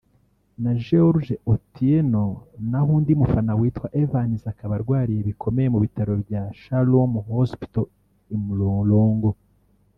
na George Otieno naho undi mufana witwa Evans akaba arwariye bikomeye mu bitaro bya Shalom Hospital i Mlolongo